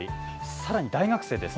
さらに、大学生です。